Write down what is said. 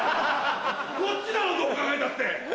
こっちだろどう考えたって。